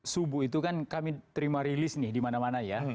subuh itu kan kami terima rilis nih di mana mana ya